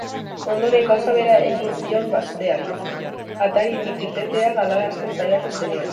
Ondoren, gauza bera egin zion besteari, ataritik irtetea galarazten saiatu zenean.